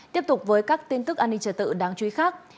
tiếp tục với các tin tức an ninh trở tự đáng chú ý khác